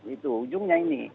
itu ujungnya ini